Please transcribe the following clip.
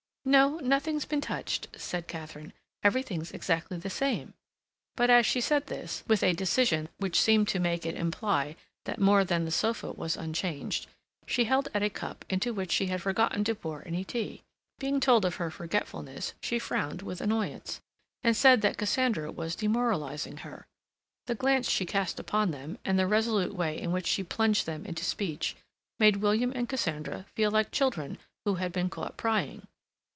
"No. Nothing's been touched," said Katharine. "Everything's exactly the same." But as she said this, with a decision which seemed to make it imply that more than the sofa was unchanged, she held out a cup into which she had forgotten to pour any tea. Being told of her forgetfulness, she frowned with annoyance, and said that Cassandra was demoralizing her. The glance she cast upon them, and the resolute way in which she plunged them into speech, made William and Cassandra feel like children who had been caught prying.